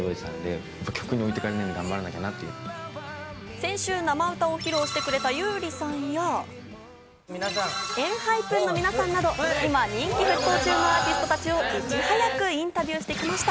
先週生歌を披露してくれた優里さんや、ＥＮＨＹＰＥＮの皆さんなど、今人気のアーティストをいち早くインタビューしてきました。